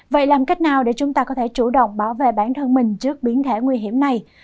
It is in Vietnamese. vậy làm cách nào để chúng ta có thể chủ động bảo vệ bản thân mình trước biến thể nguy hiểm này